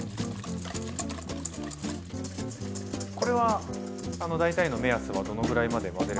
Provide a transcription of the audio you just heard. これは大体の目安はどのぐらいまで混ぜれば。